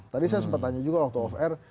tadi saya sempat tanya juga waktu off air